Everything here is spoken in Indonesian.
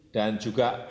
dan juga perubahan